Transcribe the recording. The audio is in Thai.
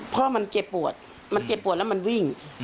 พ่อมันเจ็บปวดมันเจ็บปวดแล้วมันวิ่ง